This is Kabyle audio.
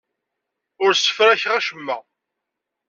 Ur ssefrakeɣ acemma.